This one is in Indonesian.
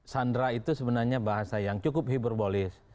sandra itu sebenarnya bahasa yang cukup hiberbolis